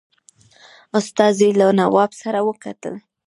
استازي له نواب سره وکتل.